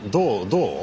どう？